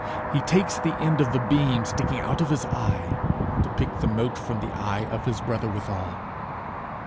He takes the end of the beam sticking out of his eye to pick the mote from the eye of his brother withal!